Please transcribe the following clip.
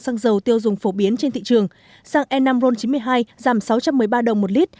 xăng dầu tiêu dùng phổ biến trên thị trường xăng enamron chín mươi hai giảm sáu trăm một mươi ba đồng một lít